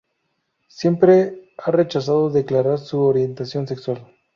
Siempre ha rechazado declarar su orientación sexual.